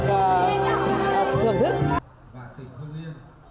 và tỉnh hương yên